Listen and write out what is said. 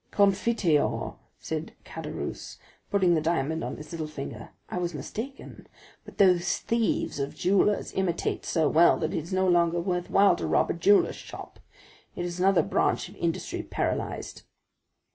"Confiteor!" said Caderousse, putting the diamond on his little finger; "I was mistaken; but those thieves of jewellers imitate so well that it is no longer worthwhile to rob a jeweller's shop—it is another branch of industry paralyzed."